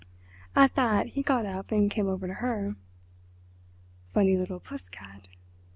At that he got up and came over to her. "Funny little puss cat!"